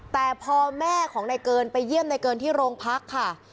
แต่พอแม่ของนายเกินไปเยี่ยมในเกินที่โรงพักค่ะ